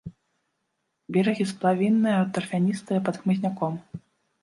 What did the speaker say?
Берагі сплавінныя, тарфяністыя, пад хмызняком.